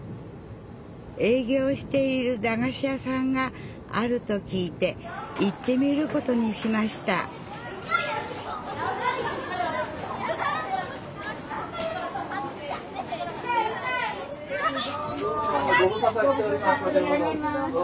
営業しているだがし屋さんがあると聞いて行ってみることにしましたどうも。